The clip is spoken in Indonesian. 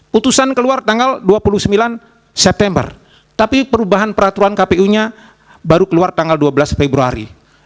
putusan keluar tanggal dua puluh sembilan september tapi perubahan peraturan kpu nya baru keluar tanggal dua belas februari